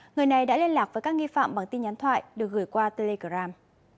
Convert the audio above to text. người này đã liên lạc với các nghi phạm bằng tin nhắn thoại được gửi qua telegram